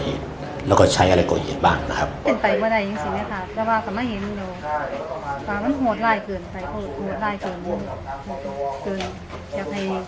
เทรดกว่าโง่นสึงสึงมาเที่ยวชูกับภรรยาเขาก็อีก